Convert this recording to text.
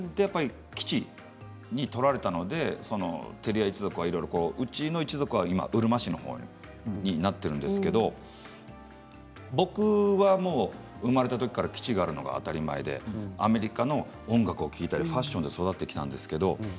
嘉手納の千原というところで基地に取られたので照屋一族は、うちの一族はうるま市のほうになっているんですけれど僕は生まれたときから基地があるのは当たり前でアメリカの音楽を聴いたりファッションで育ってきました。